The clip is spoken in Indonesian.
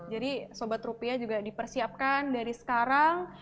jadi sobat rupiah juga dipersiapkan dari sekarang